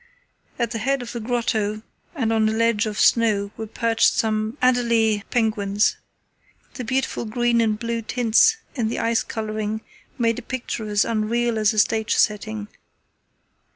At the head of the grotto and on a ledge of snow were perched some adelie penguins. The beautiful green and blue tints in the ice colouring made a picture as unreal as a stage setting.